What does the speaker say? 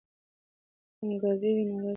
که انګازې وي نو غږ نه مري.